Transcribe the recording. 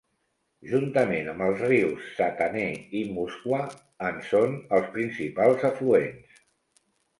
Juntament amb els rius Sahtaneh i Muskwa en són els principals afluents.